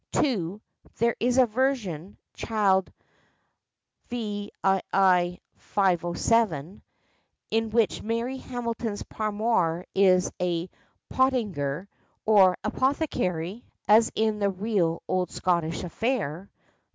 (2) There is a version (Child, viii. 507) in which Mary Hamilton's paramour is a "pottinger," or apothecary, as in the real old Scotch affair.